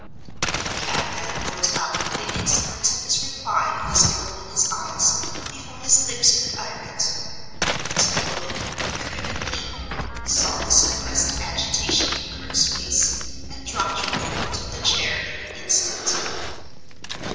The cabman looked up with the insolence of his reply visible in his eyes, before his lips could utter it. But the woman, quicker than he, saw the suppressed agitation in Kirke's face, and dropped her hold of the chair in an instant.